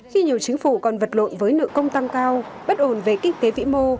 khi nhiều chính phủ còn vật lộn với nợ công tăng cao bất ổn về kinh tế vĩ mô